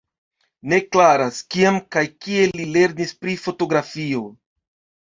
Ne klaras, kiam kaj kie li lernis pri fotografio.